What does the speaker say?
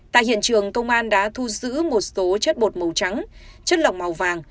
tại hiện trường công an đã thu giữ một số chất bột màu trắng chất lỏng màu vàng